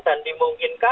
dan di mungkin